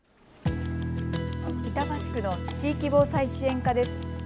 板橋区の地域防災支援課です。